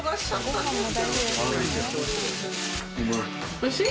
おいしい？